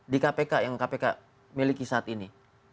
di kpk yang kpk miliki saat ini